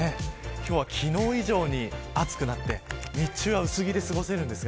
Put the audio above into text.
今日は昨日以上に暑くなって日中は薄着で過ごせますが。